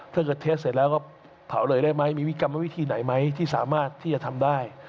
ถ้าเกิดเทสเสร็จแล้วก็เผาเลยได้ไหมมีวิกรรมวิธีไหนไหมที่สามารถที่จะทำได้